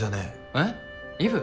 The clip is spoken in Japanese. えっ？イブ？